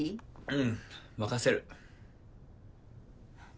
うん任せる。